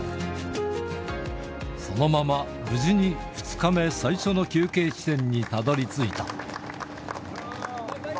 そのまま無事に２日目最初の休憩地点にたどりついた。